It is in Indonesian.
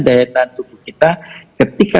daya tahan tubuh kita ketika